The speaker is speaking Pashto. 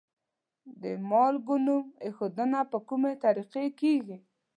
د مالګو نوم ایښودنه په کومې طریقې کیږي؟